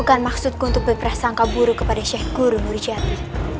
bukan maksudku untuk berperasangka buruk kepada syekh guru nurjati